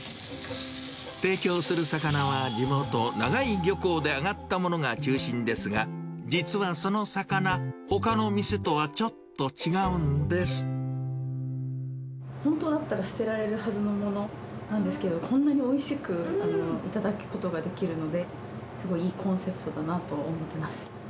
提供する魚は地元、長井漁港であがったものが中心ですが、実はその魚、本当だったら、捨てられるはずのものなんですけど、こんなにおいしく頂くことができるので、すごいいいコンセプトだなと思ってます。